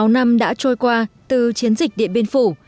sáu mươi sáu năm đã trôi qua từ chiến dịch điện biên phủ